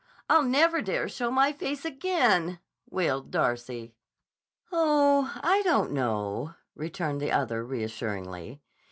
I'll never dare show my face again," wailed Darcy. "Oh, I don't know," returned the other reassuringly.